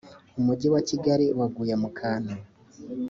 umugi wa kigali waguye mu kantu